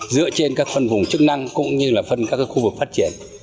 dựa trên các phân vùng chức năng cũng như là phân các khu vực phát triển